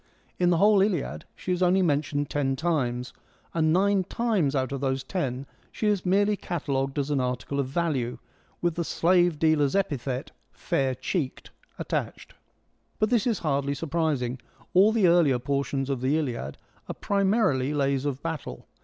In the whole Iliad she is only mentioned ten times, and nine times out of those ten she is merely cata logued as an article of value, with the slave dealer's epithet, ' fair cheeked,' attached. But this is hardly surprising. All the earlier portions of the Iliad are primarily lays of battle.